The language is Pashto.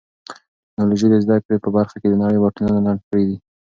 ټیکنالوژي د زده کړې په برخه کې د نړۍ واټنونه لنډ کړي دي.